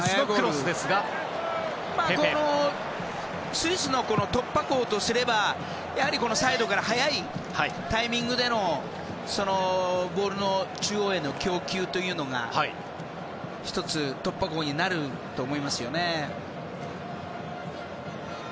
スイスの突破口とすればサイドから早いタイミングでのボールの中央への供給というのが１つ、突破口になると思います。